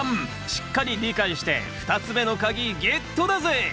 しっかり理解して２つ目の鍵ゲットだぜ！